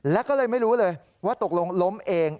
แล้วก็เลยไม่รู้เลยว่าตกลงล้มเอง